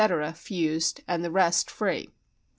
fused and the rest free.